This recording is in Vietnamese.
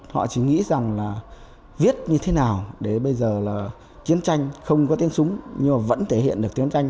họ chỉ nghĩ rằng là viết như thế nào để bây giờ là chiến tranh không có tiếng súng nhưng mà vẫn thể hiện được tiếng tranh